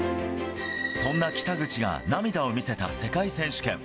そんな北口が涙を見せた世界選手権。